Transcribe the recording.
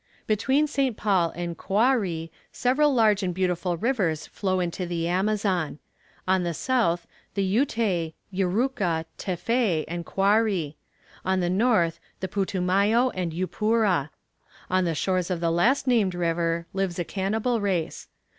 Between St. Paul and Coari several large and beautiful rivers flow into the Amazon. On the south the Yutay, Yuruca, Tefé, and Coari; on the north the Putumayo and Yupura. On the shores of the last named river lives a cannibal race.